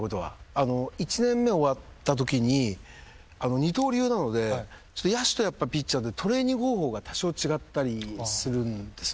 １年目終わったときに二刀流なので野手とピッチャーでトレーニング方法が多少違ったりするんですね。